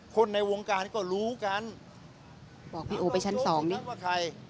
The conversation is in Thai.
คนในวงการก็รู้กันบอกพี่โอไปชั้นสองนี้ว่าใคร